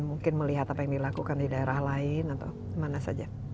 mungkin melihat apa yang dilakukan di daerah lain atau mana saja